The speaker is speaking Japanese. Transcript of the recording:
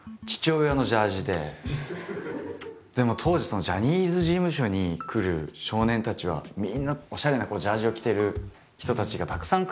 でも当時ジャニーズ事務所に来る少年たちはみんなおしゃれなジャージを着てる人たちがたくさん来るわけですよ。